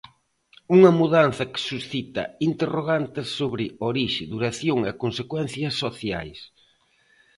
Unha mudanza que suscita interrogantes sobre orixe, duración e consecuencias sociais.